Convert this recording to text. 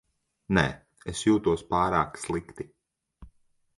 Nē, es jūtos pārāk slikti.